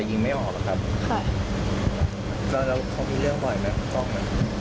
แต่ยิงไม่ออกหรอครับค่ะแล้วแล้วเขามีเรื่องบ่อยไหมตรงนั้น